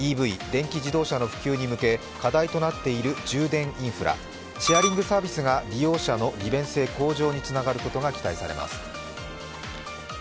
ＥＶ＝電気自動車の普及に向け課題となっている充電インフラシェアリングサービスが利用者の利便性向上につながることが期待されます。